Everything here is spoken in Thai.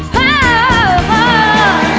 ฮ่าฮ่า